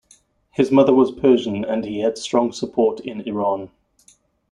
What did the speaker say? His mother was Persian and he had strong support in Iran.